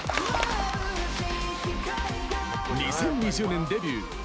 ２０２０年デビュー